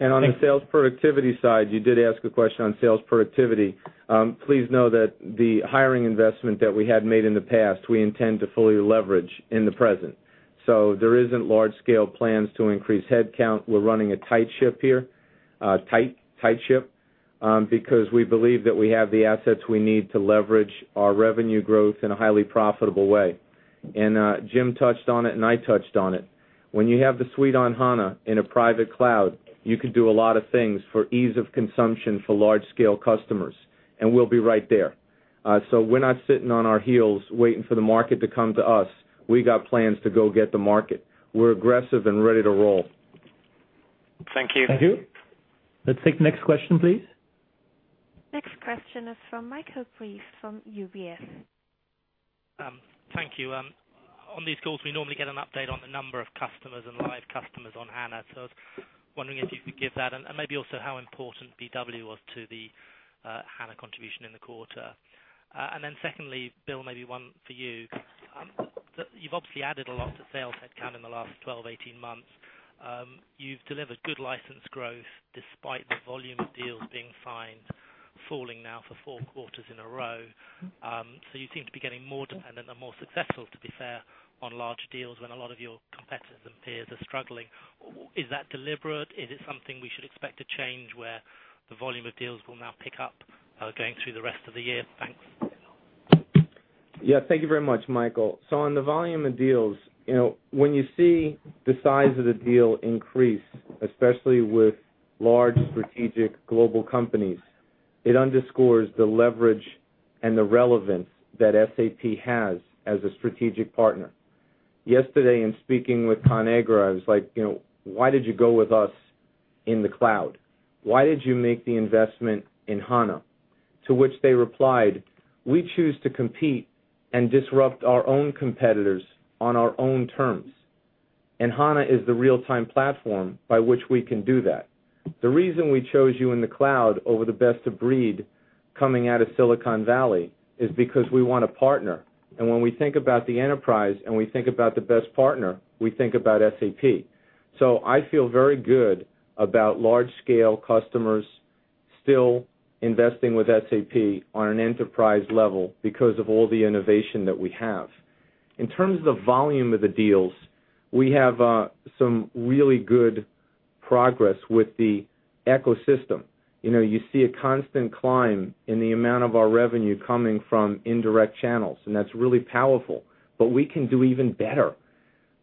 to come. On the sales productivity side, you did ask a question on sales productivity. Please know that the hiring investment that we had made in the past, we intend to fully leverage in the present. There isn't large-scale plans to increase headcount. We're running a tight ship here. We believe that we have the assets we need to leverage our revenue growth in a highly profitable way. Jim touched on it and I touched on it. When you have the suite on HANA in a private cloud, you could do a lot of things for ease of consumption for large-scale customers, and we'll be right there. We're not sitting on our heels waiting for the market to come to us. We got plans to go get the market. We're aggressive and ready to roll. Thank you. Thank you. Let's take the next question, please. Next question is from Michael Briest from UBS. Thank you. On these calls, we normally get an update on the number of customers and live customers on HANA. I was wondering if you could give that, and maybe also how important BW was to the HANA contribution in the quarter. Secondly, Bill, maybe one for you. You've obviously added a lot to sales headcount in the last 12, 18 months. You've delivered good license growth despite the volume of deals being signed falling now for four quarters in a row. You seem to be getting more dependent and more successful, to be fair, on large deals when a lot of your competitors and peers are struggling. Is that deliberate? Is it something we should expect to change, where the volume of deals will now pick up going through the rest of the year? Thanks. Yeah. Thank you very much, Michael. On the volume of deals, when you see the size of the deal increase, especially with large strategic global companies, it underscores the leverage and the relevance that SAP has as a strategic partner. Yesterday, in speaking with Conagra, I was like, "Why did you go with us in the cloud? Why did you make the investment in HANA?" To which they replied, "We choose to compete and disrupt our own competitors on our own terms, and HANA is the real-time platform by which we can do that. The reason we chose you in the cloud over the best-of-breed coming out of Silicon Valley is because we want a partner. When we think about the enterprise and we think about the best partner, we think about SAP." I feel very good about large-scale customers still investing with SAP on an enterprise level because of all the innovation that we have. In terms of the volume of the deals, we have some really good progress with the ecosystem. You see a constant climb in the amount of our revenue coming from indirect channels, and that's really powerful. We can do even better.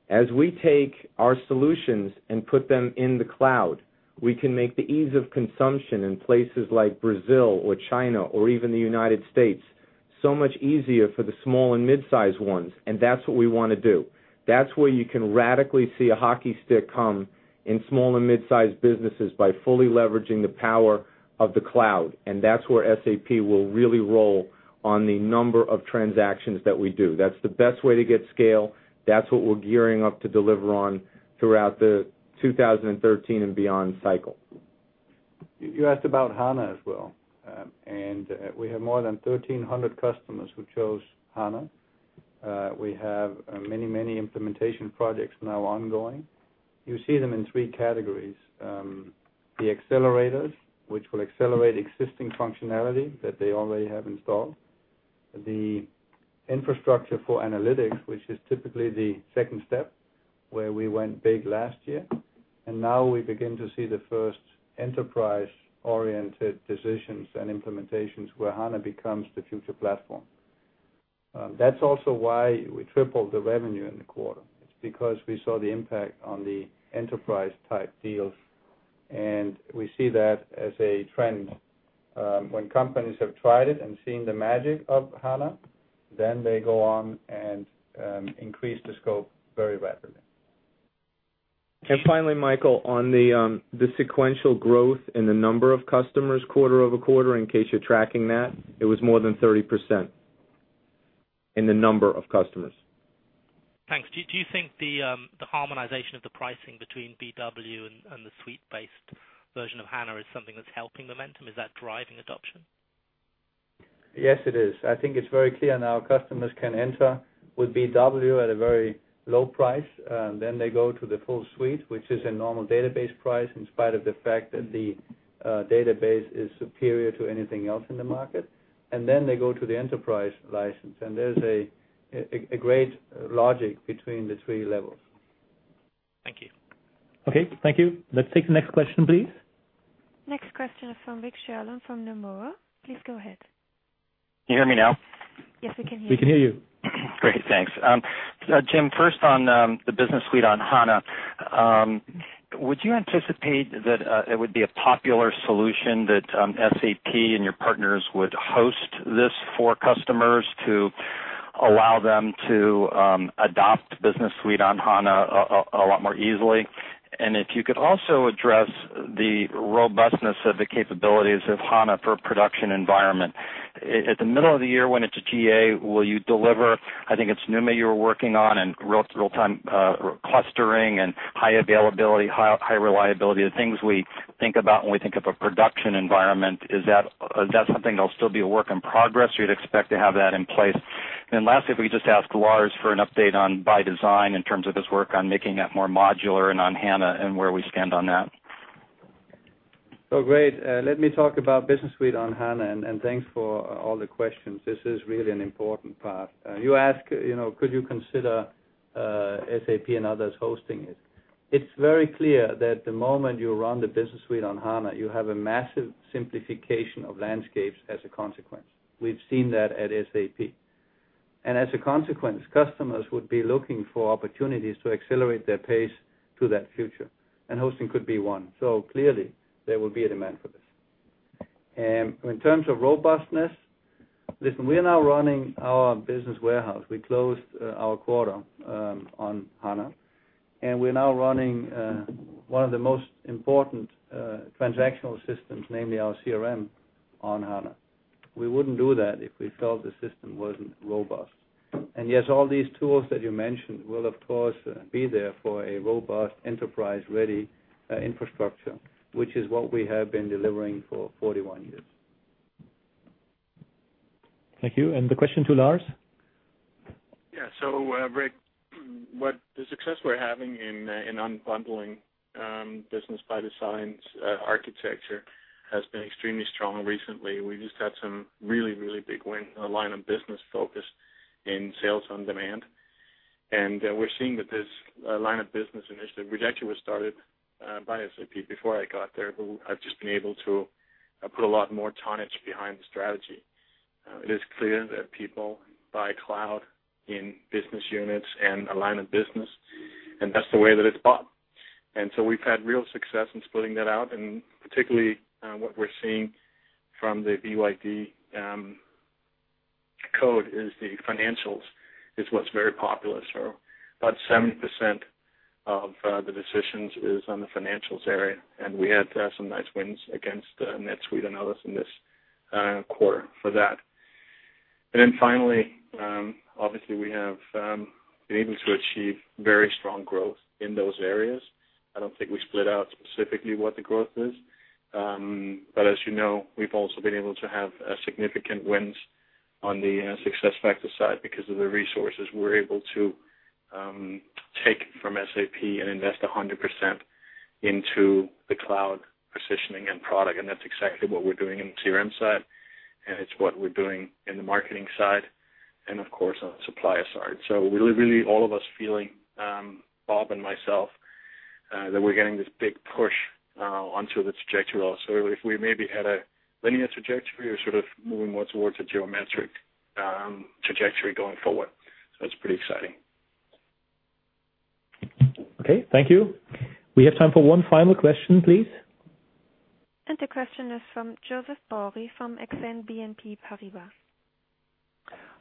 As we take our solutions and put them in the cloud, we can make the ease of consumption in places like Brazil or China or even the United States so much easier for the small and mid-size ones, and that's what we want to do. That's where you can radically see a hockey stick come in small and mid-size businesses by fully leveraging the power of the cloud, and that's where SAP will really roll on the number of transactions that we do. That's the best way to get scale. That's what we're gearing up to deliver on throughout the 2013 and beyond cycle. You asked about HANA as well. We have more than 1,300 customers who chose HANA. We have many implementation projects now ongoing. You see them in 3 categories. The accelerators, which will accelerate existing functionality that they already have installed. The infrastructure for analytics, which is typically the 2nd step, where we went big last year. Now we begin to see the first enterprise-oriented decisions and implementations where HANA becomes the future platform. That's also why we tripled the revenue in the quarter. It's because we saw the impact on the enterprise-type deals. We see that as a trend. When companies have tried it and seen the magic of HANA, they go on and increase the scope very rapidly. Finally, Michael, on the sequential growth in the number of customers quarter-over-quarter, in case you're tracking that, it was more than 30% in the number of customers. Thanks. Do you think the harmonization of the pricing between BW and the suite-based version of HANA is something that's helping momentum? Is that driving adoption? Yes, it is. I think it's very clear now customers can enter with BW at a very low price. Then they go to the full suite, which is a normal database price in spite of the fact that the database is superior to anything else in the market. Then they go to the enterprise license, and there's a great logic between the 3 levels. Thank you. Okay. Thank you. Let's take the next question, please. Next question is from Rick Sherlund from Nomura. Please go ahead. Can you hear me now? Yes, we can hear you. We can hear you. Great. Thanks. Jim, first on the Business Suite on HANA. Would you anticipate that it would be a popular solution that SAP and your partners would host this for customers to allow them to adopt Business Suite on HANA a lot more easily? If you could also address the robustness of the capabilities of HANA per production environment. At the middle of the year, when it's a GA, will you deliver, I think it's NUMA you were working on and real-time clustering and high availability, high reliability, the things we think about when we think of a production environment. Is that something that'll still be a work in progress, or you'd expect to have that in place? Lastly, if we could just ask Lars for an update on ByDesign in terms of his work on making that more modular and on HANA and where we stand on that. Great. Let me talk about Business Suite on HANA, thanks for all the questions. This is really an important part. You ask, could you consider SAP and others hosting it? It's very clear that the moment you run the Business Suite on HANA, you have a massive simplification of landscapes as a consequence. We've seen that at SAP. As a consequence, customers would be looking for opportunities to accelerate their pace to that future, and hosting could be one. Clearly, there will be a demand for this. In terms of robustness, listen, we are now running our Business Warehouse. We closed our quarter on HANA, and we're now running one of the most important transactional systems, namely our CRM, on HANA. We wouldn't do that if we felt the system wasn't robust. Yes, all these tools that you mentioned will, of course, be there for a robust enterprise-ready infrastructure, which is what we have been delivering for 41 years. Thank you. The question to Lars? Rick, the success we're having in unbundling SAP Business ByDesign architecture has been extremely strong recently. We just had some really big wins in the line of business focus in SAP Sales OnDemand. We're seeing that this line of business initiative, which actually was started by SAP before I got there, but I've just been able to put a lot more tonnage behind the strategy. It is clear that people buy cloud in business units and a line of business, and that's the way that it's bought. We've had real success in splitting that out. Particularly, what we're seeing from the ByD code is the financials is what's very popular. About 70% of the decisions is on the financials area, and we had some nice wins against NetSuite and others in this quarter for that. Finally, obviously we have been able to achieve very strong growth in those areas. I don't think we split out specifically what the growth is. But as you know, we've also been able to have significant wins on the SuccessFactors side because of the resources we're able to take from SAP and invest 100% into the cloud positioning and product. That's exactly what we're doing in the SAP CRM side, and it's what we're doing in the marketing side, and of course, on the supplier side. Really, all of us feeling, Bob and myself, that we're getting this big push onto the trajectory. If we maybe had a linear trajectory or sort of moving more towards a geometric trajectory going forward. That's pretty exciting. Thank you. We have time for one final question, please. The question is from Josep Bori from Exane BNP Paribas.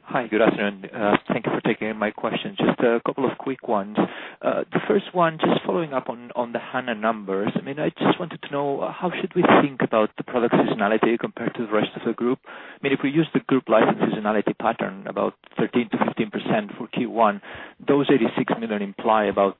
Hi, good afternoon. Thank you for taking my question. Just a couple of quick ones. The first one, just following up on the HANA numbers. I just wanted to know, how should we think about the product seasonality compared to the rest of the group? If we use the group license seasonality pattern, about 13%-15% for Q1, those 86 million imply about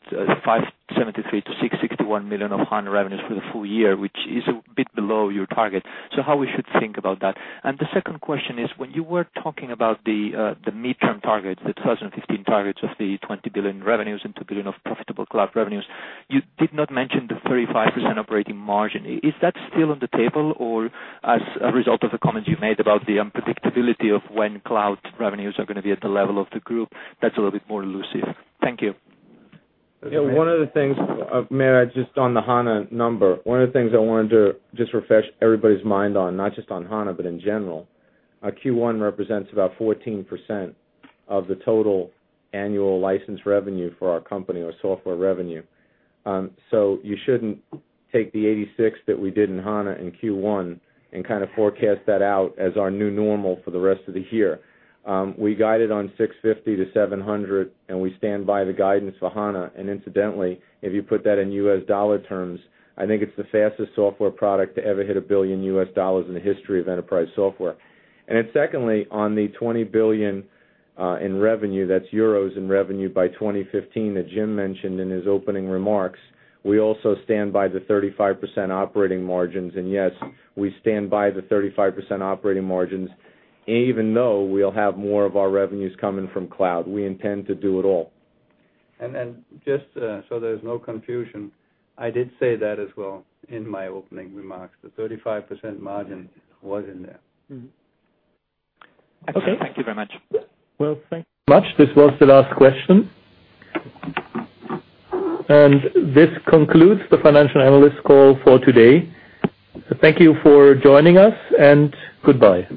€573 million-€661 million of HANA revenues for the full year, which is a bit below your target. How we should think about that? The second question is, when you were talking about the midterm target, the 2015 targets of the €20 billion revenues and €2 billion of profitable cloud revenues, you did not mention the 35% operating margin. Is that still on the table or as a result of the comments you made about the unpredictability of when cloud revenues are going to be at the level of the group, that's a little bit more elusive? Thank you. One of the things I wanted to just refresh everybody's mind on, not just on HANA, but in general, our Q1 represents about 14% of the total annual license revenue for our company or software revenue. You shouldn't take the 86 million that we did in HANA in Q1 and kind of forecast that out as our new normal for the rest of the year. We guided on 650 million-700 million, and we stand by the guidance for HANA. Incidentally, if you put that in US dollar terms, I think it's the fastest software product to ever hit $1 billion in the history of enterprise software. Secondly, on the €20 billion in revenue, that's euros in revenue by 2015 that Jim mentioned in his opening remarks. We also stand by the 35% operating margins, yes, we stand by the 35% operating margins, even though we'll have more of our revenues coming from cloud. We intend to do it all. Just so there's no confusion, I did say that as well in my opening remarks. The 35% margin was in there. Okay. Thank you very much. Well, thanks much. This was the last question. This concludes the financial analyst call for today. Thank you for joining us, and goodbye.